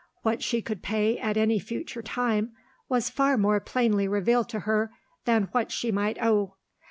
What she could pay at any future time was far more plainly revealed to her than what she might owe.